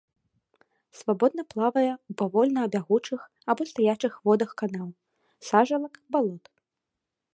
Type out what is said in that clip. Свабодна плавае ў павольна бягучых або стаячых водах канаў, сажалак, балот.